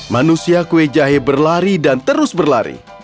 manusia kue jahe berlari dan terus berlari